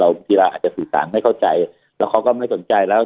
กีฬาอาจจะสื่อสารไม่เข้าใจแล้วเขาก็ไม่สนใจแล้ว